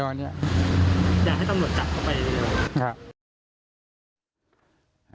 อยากให้ตำรวจจับเข้าไปเร็ว